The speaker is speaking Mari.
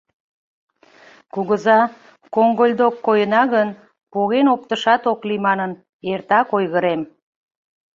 Кугыза, коҥгыльдок койына гын, поген оптышат ок лий манын, эртак ойгырем.